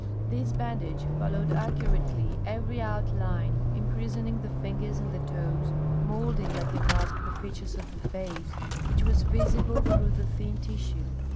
This bandage followed accurately every outline, imprisoning the fingers and the toes, moulding like a mask the features of the face, which was visible through the thin tissue.